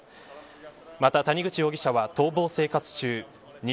また、谷口容疑者は逃亡生活中西